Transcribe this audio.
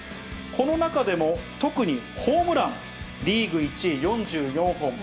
この中でも特にホームラン、リーグ１位、４４本。